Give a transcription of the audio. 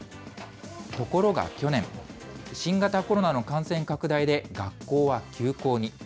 ところが去年、新型コロナの感染拡大で学校は休校に。